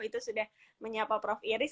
itu sudah menyapa prof iris